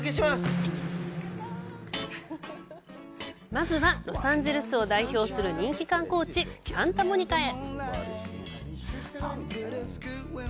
まずは、ロサンゼルスを代表する人気観光地・サンタモニカへ。